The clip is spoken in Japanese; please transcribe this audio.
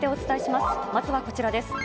まずはこちらです。